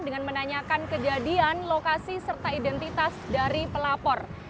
dengan menanyakan kejadian lokasi serta identitas dari pelapor